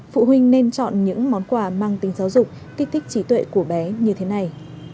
phụ huynh nên chọn những món quà mang tính giáo dục kích thích trí tuệ của bé như thế này